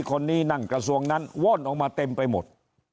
คนนี้นั่งกระทรวงนั้นว่อนออกมาเต็มไปหมด